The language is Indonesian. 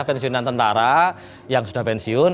pensiunan tentara yang sudah pensiun